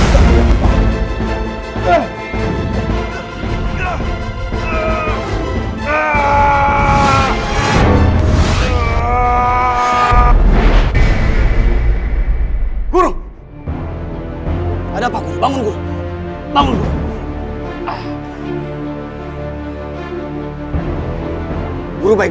rasanya tempat kuliah submit